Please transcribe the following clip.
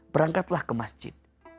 berangkatlah ke masjid